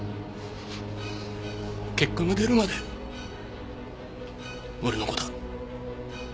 結果が出るまで俺の子だ。